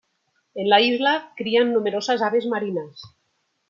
En la isla crían numerosas aves marinas.